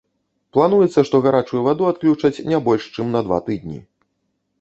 Плануецца, што гарачую ваду адключаць не больш чым на два тыдні.